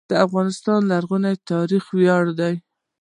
د افغانستان لرغونی تاریخ ویاړلی دی